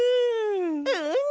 うん！